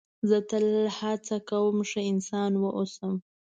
زه تل هڅه کوم ښه انسان و اوسم.